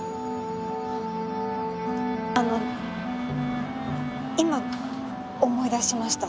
あの今思い出しました。